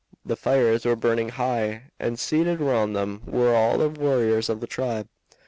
The fires were burning high, and seated round them were all the warriors of the tribe.